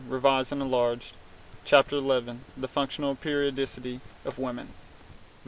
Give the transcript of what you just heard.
revised and enlarged, Ch. XI; "The Functional Periodicity of Women." Cf.